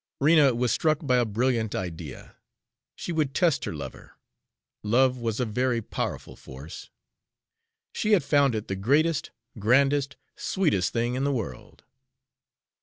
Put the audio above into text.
Rena was struck by a brilliant idea. She would test her lover. Love was a very powerful force; she had found it the greatest, grandest, sweetest thing in the world.